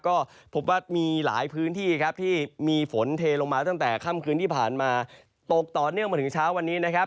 ก็พบว่ามีหลายพื้นที่ครับที่มีฝนเทลงมาตั้งแต่ค่ำคืนที่ผ่านมาตกต่อเนื่องมาถึงเช้าวันนี้นะครับ